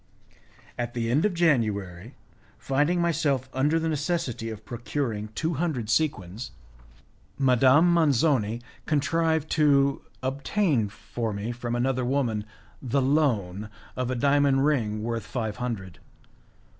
At the end of January, finding myself under the necessity of procuring two hundred sequins, Madame Manzoni contrived to obtain for me from another woman the loan of a diamond ring worth five hundred.